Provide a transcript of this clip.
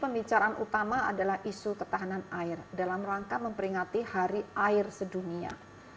pembicaraan utama adalah isu ketahanan air dalam rangka memperingati hari air sedunia